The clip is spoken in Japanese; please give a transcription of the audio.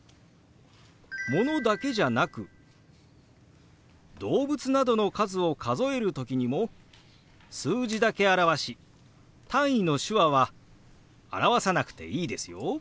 ものだけじゃなく動物などの数を数える時にも数字だけ表し単位の手話は表さなくていいですよ。